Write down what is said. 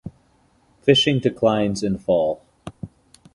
Fishing declines in fall.